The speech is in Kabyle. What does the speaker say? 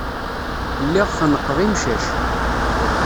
Lliɣ xennqeɣ imcac.